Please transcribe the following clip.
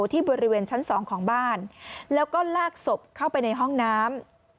ที่บริเวณชั้น๒ของบ้านแล้วก็ลากศพเข้าไปในห้องน้ำ